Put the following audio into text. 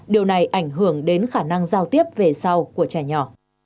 điều này ảnh hưởng đến khả năng giao tiếp về sau của trẻ nhỏ